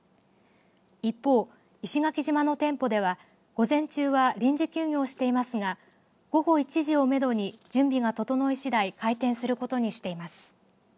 一方、石垣島の店舗では午前中は臨時休業していますが午後１時をめどに準備が整いしだい開店することにしています。